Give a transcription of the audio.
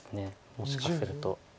もしかすると。